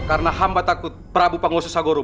karena hamba takut prabu panggosa sagoro